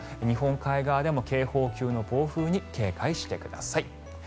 日本海側でも警報級の暴風に警戒してください。